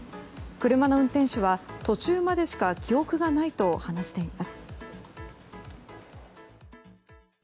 車の運転手は途中までしか記憶がないと話しています。